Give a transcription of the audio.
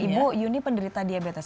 ibu yuni penderita diabetes